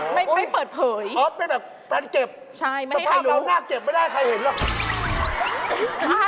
ไม่เปิดเผยอ๋อเป็นแบบฟันเก็บสภาพแบบน่าเก็บไม่ได้ใครเห็นหรือ